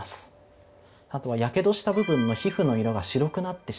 あとはやけどした部分の皮膚の色が白くなってしまう。